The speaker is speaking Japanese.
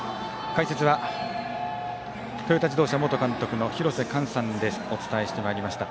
解説はトヨタ自動車元監督の廣瀬寛さんでお伝えしてまいりました。